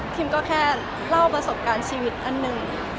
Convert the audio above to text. ก็แค่เล่าประสบการณ์ชีวิตอันหนึ่ง